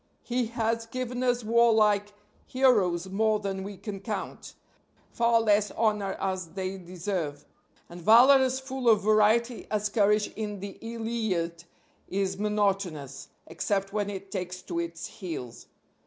He has given us warlike heroes more than we can count far less honor as they deserve; and valor as full of variety as courage in the Iliad is monotonous except when it takes to its heels.